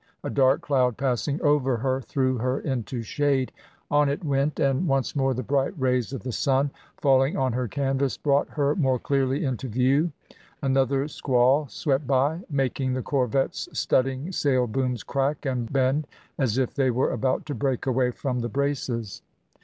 A dark cloud passing over her threw her into shade; on it went, and once more the bright rays of the sun falling on her canvas brought her more clearly into view; another squall swept by, making the corvette's studding sail booms crack and bend as if they were about to break away from the braces.